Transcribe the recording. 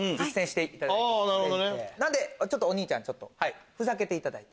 なのでお兄ちゃんちょっとふざけていただいて。